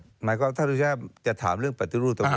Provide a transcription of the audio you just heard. หมายความว่าถ้าทุกคนจะถามเรื่องปฏิรูปตำรวจ